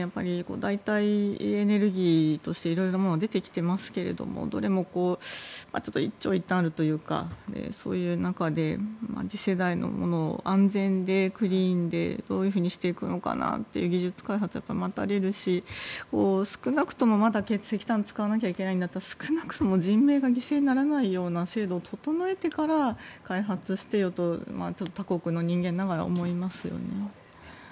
代替エネルギーとして色々もう出てきていますがどれもちょっと一長一短あるというかそういう中で次世代のものを安全でクリーンでどういうふうにしていくのかなと技術開発が待たれるし少なくともまだ石炭を使わないといけないんだったら少なくとも人命が犠牲にならないような制度を整えてから開発してよと他国の人間ながら思いますよね。